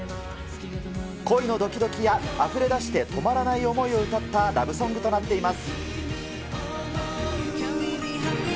恋のどきどきやあふれ出して止まらない思いを歌ったラブソングとなっています。